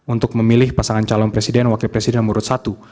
untuk memilih pasangan calon presiden wakil presiden nomor satu